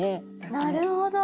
なるほど。